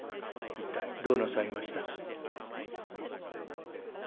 一体どうなさいました？」。